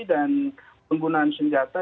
dan penggunaan senjata